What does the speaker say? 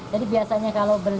jadi pedesin kadang dumel